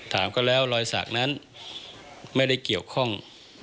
ถามก็แล้วรอยสักนั้นไม่ได้เกี่ยวข้อง